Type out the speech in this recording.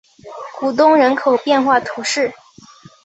古东人口变化图示